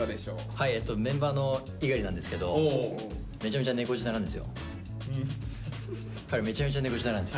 はいメンバーの猪狩なんですけど彼めちゃめちゃ猫舌なんですよ。